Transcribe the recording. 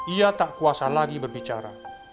ia tak kuasa lagi berbicara